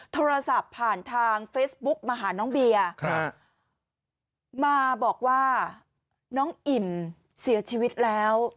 โทรศัพท์ผ่านทางเฟซบุ๊กมาหาน้องเบียร์มาบอกว่าน้องอิ่มเสียชีวิตแล้ว